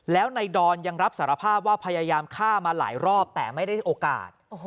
แล้วในดอนยังรับสารภาพว่าพยายามฆ่ามาหลายรอบแต่ไม่ได้โอกาส